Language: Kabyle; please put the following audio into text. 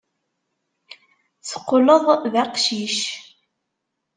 Teqqleḍ d aqcic.